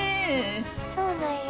そうなんや。